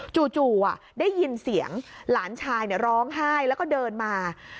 จู่จู่อ่ะได้ยินเสียงหลานชายเนี้ยร้องไห้แล้วก็เดินมา